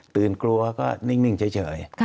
ตื่นกลัวก็นิ่งเฉย